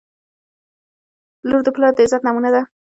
• لور د پلار د عزت نمونه ده.